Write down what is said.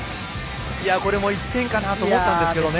これも１点かなと思ったんですけどね。